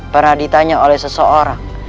pernah ditanya oleh seseorang